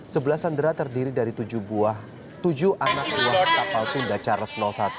sebelas sandera terdiri dari tujuh anak buah kapal tunda charles satu